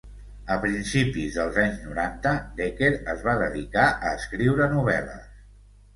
A principis dels anys noranta, Dekker es va dedicar a escriure novel·les.